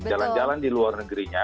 jalan jalan di luar negerinya